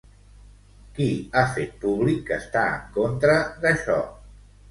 Qui ha fet públic que està en contra d'això?